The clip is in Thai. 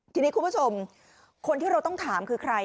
ทีนี้คุณผู้ชมคนที่เราต้องถามคือใคร